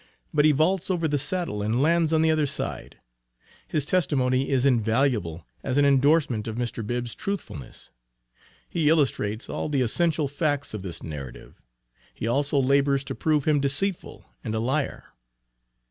But he vaults over the saddle and lands on the other side. His testimony is invaluable as an endorsement of Mr. Bibb's truthfulness. He illustrates all the essential facts of this narrative. He also labors to prove him deceitful and a liar.